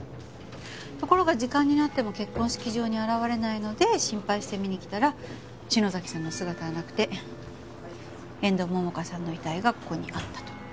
ところが時間になっても結婚式場に現れないので心配して見に来たら篠崎さんの姿はなくて遠藤桃花さんの遺体がここにあったと。